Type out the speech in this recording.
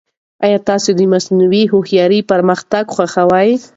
ایا تاسو د مصنوعي هوښیارۍ پرمختګ خوښوي؟